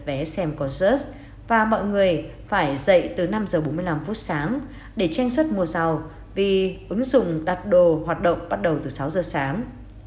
vé xem concert và mọi người phải dậy từ năm giờ bốn mươi năm phút sáng để tranh xuất mua rau vì ứng dụng đặt đồ hoạt động bắt đầu từ sáu giờ sáng